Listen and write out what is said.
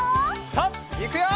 さあいくよ！